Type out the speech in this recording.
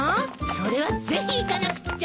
それはぜひ行かなくっちゃ！